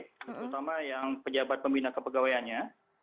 terutama yang pejabat pembina kepegawaiannya